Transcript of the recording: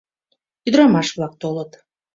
Ӱдырамаш-влак толыт.